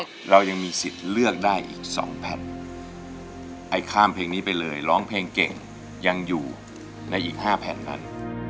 เรายังมีสิทธิ์เลือกได้อีก๒แผ่นไอ้ข้ามเพลงนี้ไปเลยร้องเพลงเก่งยังอยู่ในอีก๕แผ่นนั้น